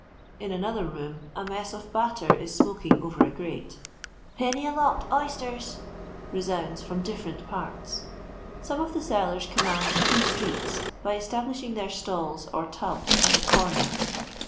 In another room a mess of batter is smoking over a fjuxe. " Penny a lot, oysters," resounds from different parts. Some of the sellers command two streets by establishing their stalls or tubs at a comer.